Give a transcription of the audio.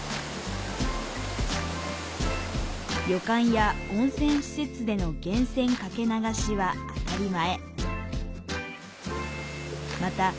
旅館や温泉施設での源泉かけ流しは当たり前。